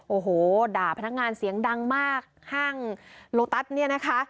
โอ้โหด่าพนักงานเสียงดังมากห้างโลตัสเนี่ยนะคะ